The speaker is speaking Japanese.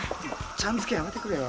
ちゃんづけやめてくれよ。